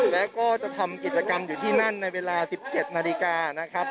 และก็จะทำกิจกรรมอยู่ที่นั่นในเวลา๑๗นาฬิกานะครับ